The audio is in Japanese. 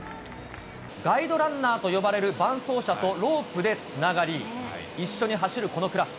ガイドランナーと呼ばれる伴走者とロープでつながり、一緒に走るこのクラス。